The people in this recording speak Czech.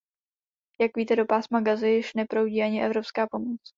Jak víte, do pásma Gazy již neproudí ani evropská pomoc.